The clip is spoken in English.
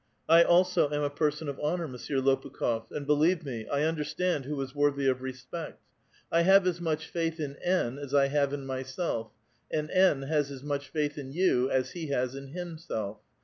I also am a person of honor, Monsieur Lopukh6f ; and, believe me, I understand who is worthy of re8[>ect. I have as much faith in N. as I have in myself; and N. has as much faith in you as he has in himself.